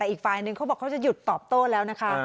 อีกฝ่ายหนึ่งเห็นว่าบอกว่าเขาจะหยุดตอบโต้แล้วนะคะ